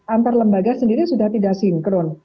antar lembaga sendiri sudah tidak sinkron